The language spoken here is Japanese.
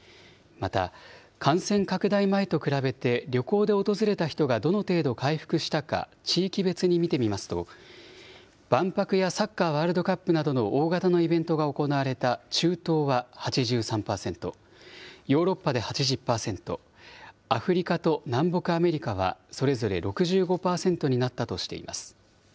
また、感染拡大前と比べて、旅行で訪れた人がどの程度回復したか、地域別に見てみますと、万博やサッカーワールドカップなどの大型のイベントが行われた中東は８３％、ヨーロッパで８０％、アフリカと南北アメリカはそれぞれ６５％になったとしています。